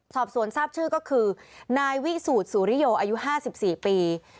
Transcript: สอบสวนทราบชื่อก็คือนายวิสูจน์สุริโยอายุ๕๔ปี